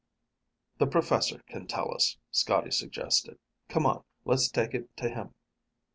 "The professor can tell us," Scotty suggested. "Come on. Let's take it to him."